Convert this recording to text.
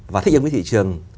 và thích ứng với thị trường